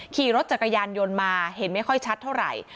ขี่รถจักรยานยนต์มาเห็นไม่ค่อยชัดเท่าไหร่